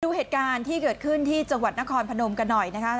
ดูเหตุการณ์ที่เกิดขึ้นที่จังหวัดนครพนมกันหน่อยนะคะ